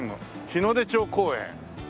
日出町公園。